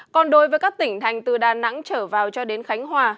còn đối với các tỉnh thành từ đà nẵng trở vào cho đến khánh hòa